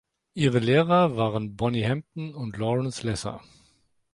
Ihre Lehrer waren Bonnie Hampton und Laurence Lesser.